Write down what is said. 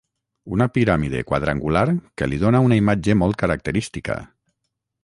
una piràmide quadrangular que li dona una imatge molt característica